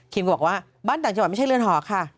ก็บอกว่าบ้านต่างจังหวัดไม่ใช่เรือนหอค่ะ